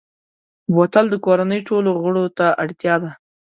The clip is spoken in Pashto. بوتل د کورنۍ ټولو غړو ته اړتیا ده.